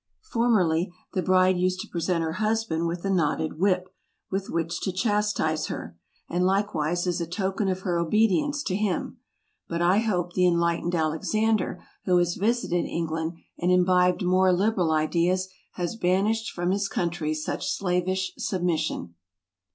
Formerly the bride used to present her husband with a knotted whip, with which to chastise her, and likewise as a token of her obedience to him : but I hope the enlightened Alexander, who has RUSSIA. 33 visited England, and imbibed more liberal ideas, has banished from his country such slavish sub¬ mission.